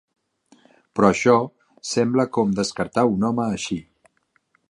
Però això sembla com descartar un home així.